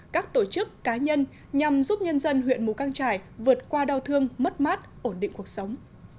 các tổ chức cá nhân nhằm giúp nhân dân huyện mù căng trải vượt qua đau thương mất mát ổn định cuộc sống